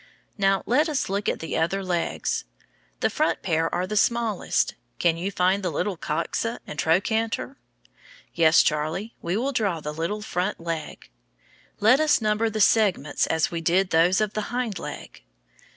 Now, let us look at the other legs. The front pair are the smallest. Can you find the little coxa and trochanter? Yes, Charlie, we will draw the little front leg. Let us number the segments as we did those of the hind leg.